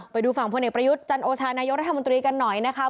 ไปดูฝั่งพลเอกประยุทธ์จันโอชานายกรัฐมนตรีกันหน่อยนะคะ